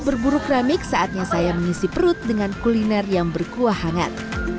sebab itu setelah saya menanggersi berat saya mengisi perut dengan kuliner yang berkuah hangat